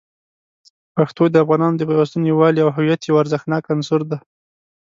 پښتو د افغانانو د پیوستون، یووالي، او هویت یو ارزښتناک عنصر دی.